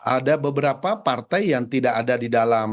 ada beberapa partai yang tidak ada di dalam